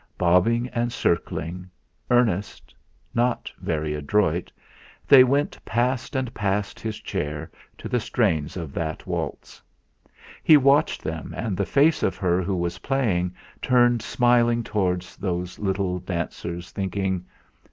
Bobbing and circling, earnest, not very adroit, they went past and past his chair to the strains of that waltz. He watched them and the face of her who was playing turned smiling towards those little dancers thinking: '.